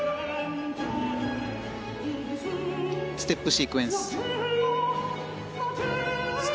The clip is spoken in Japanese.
ステップシークエンス。